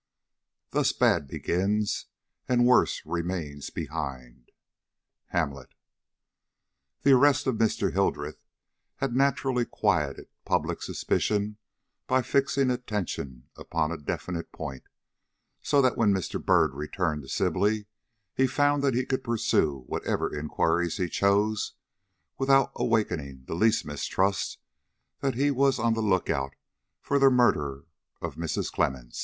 Thus bad begins and worse remains behind. HAMLET. THE arrest of Mr. Hildreth had naturally quieted public suspicion by fixing attention upon a definite point, so that when Mr. Byrd returned to Sibley he found that he could pursue whatever inquiries he chose without awakening the least mistrust that he was on the look out for the murderer of Mrs. Clemmens.